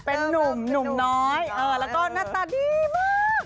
เป็นนุ่มน้อยแล้วก็หน้าตาดีมาก